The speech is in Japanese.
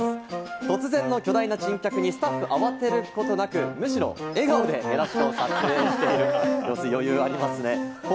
突然の巨大な珍客にスタッフは慌てることなく、むしろ笑顔でヘラジカを撮影しているんです、余裕がありますね。